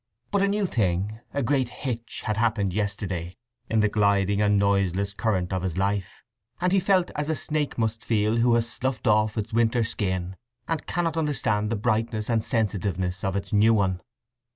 But a new thing, a great hitch, had happened yesterday in the gliding and noiseless current of his life, and he felt as a snake must feel who has sloughed off its winter skin, and cannot understand the brightness and sensitiveness of its new one.